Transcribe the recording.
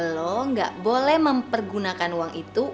lo gak boleh mempergunakan uang itu